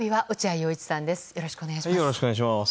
よろしくお願いします。